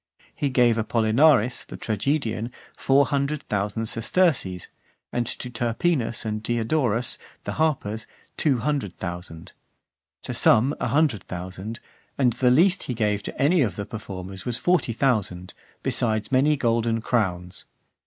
He gave Apollinaris, the tragedian, four hundred thousand sesterces, and to Terpinus and Diodorus, the harpers, two hundred thousand; to some a hundred thousand; and the least he gave to any of the performers was forty thousand, besides many golden crowns.